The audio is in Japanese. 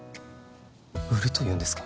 売るというんですか？